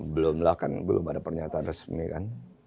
belum lah kan belum ada pernyataan resmi kan